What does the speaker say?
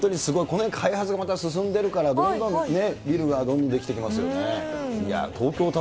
この辺開発がまた進んでるから、どんどんね、ビルがどんどん出来てきますよね。